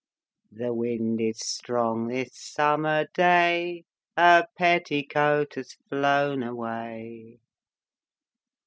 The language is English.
"The wind is strong this summer day, Her petticoat has flown away."